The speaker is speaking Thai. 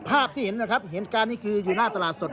ภาพที่เห็นนะครับเหตุการณ์นี้คืออยู่หน้าตลาดสด